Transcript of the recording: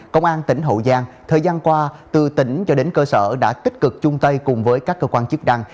công an tỉnh hậu giang thời gian qua từ tỉnh cho đến cơ sở đã tích cực chung tay cùng với các cơ quan chức năng